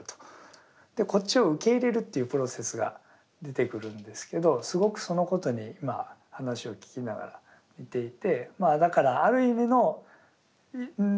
こっちを受け入れるというプロセスが出てくるんですけどすごくそのことに今話を聞きながら似ていて。